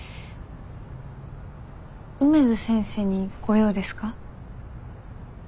梅津先生にご用ですか？